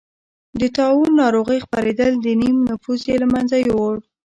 د طاعون ناروغۍ خپرېدل نییم نفوس یې له منځه یووړ.